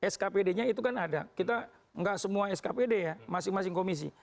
skpd nya itu kan ada kita nggak semua skpd ya masing masing komisi